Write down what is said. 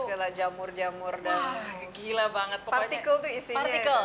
segala jamur jamur dan partikel itu isinya